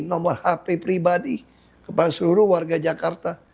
nomor hp pribadi kepada seluruh warga jakarta